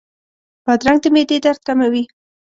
بادرنګ د معدې درد کموي.